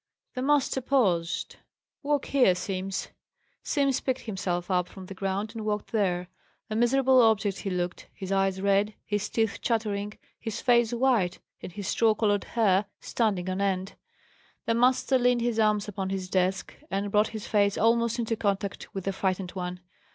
The master paused. "Walk here, Simms." Simms picked himself up from the ground and walked there. A miserable object he looked; his eyes red, his teeth chattering, his face white, and his straw coloured hair standing on end. The master leaned his arms upon his desk, and brought his face almost into contact with the frightened one.